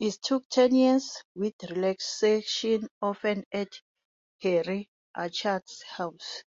It took ten years, with relaxation often at Henry Ashurst's house.